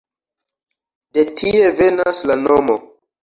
De tie venas la nomo.